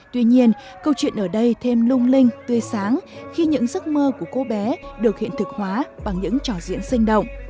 tuy nhiên câu chuyện ở đây thêm lung linh tươi sáng khi những giấc mơ của cô bé được hiện thực hóa bằng những trò diễn sinh động